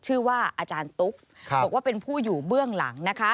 ชื่อว่าอาจารย์ตุ๊กบอกว่าเป็นผู้อยู่เบื้องหลังนะคะ